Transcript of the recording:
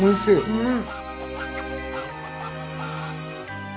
うん！